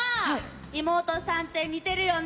いもうとさんって似てるよね？